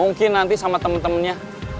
mungkin nanti sama temen temennya